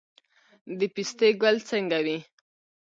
د پستې ګل څنګه وي؟